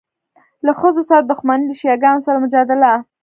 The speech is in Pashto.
له ښځو سره دښمني، له شیعه ګانو سره مجادله.